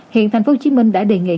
hiện thành phố hồ chí minh đã đề nghị